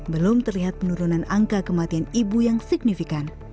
belum terlihat penurunan angka kematian ibu yang signifikan